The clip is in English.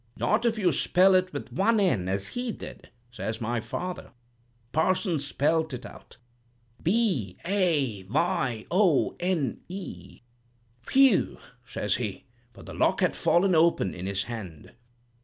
"'Not if you spell it with one "n" as he did,' says my father. "The parson spelt it out—'B A Y O N E' 'Whew!' says he, for the lock had fallen open in his hand.